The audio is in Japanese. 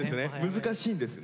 難しいんですね。